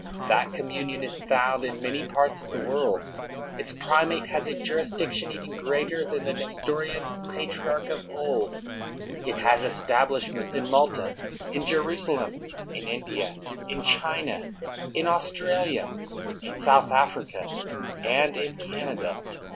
That com munion is found in many parts of the world ; its primate has a jurisdiction even greater than the Nestorian Patriarch of old ; it has establishments in Malta, in Jerusalem, in India, in China, in Australia, in South Africa, and in Canada.